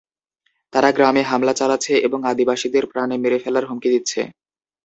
তারা গ্রামে হামলা চালাচ্ছে এবং আদিবাসীদের প্রাণে মেরে ফেলার হুমকি দিচ্ছে।